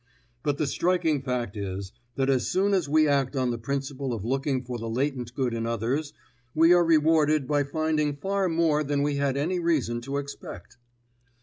But the striking fact is, that as soon as we act on the principle of looking for the latent good in others, we are rewarded by finding far more than we had any reason to expect.